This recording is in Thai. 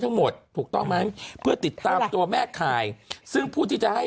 ถูกต้องไหมเพื่อติดตามตัวแม่ข่ายซึ่งผู้ที่จะให้